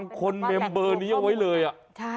คนเมมเบอร์นี้เอาไว้เลยอะ